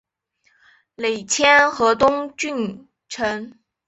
累迁河东郡丞。